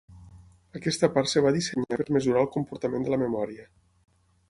Aquesta part es va dissenyar per mesurar el component de la memòria.